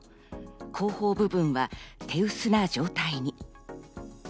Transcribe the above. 後方部分は手薄な状態に。